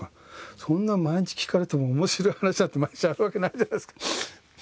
そんな毎日聞かれても面白い話なんて毎日あるわけないじゃないですか。